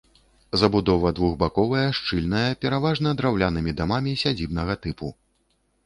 Забудова двухбаковая, шчыльная, пераважна драўлянымі дамамі сядзібнага тыпу.